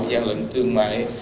giang lẫn thương mại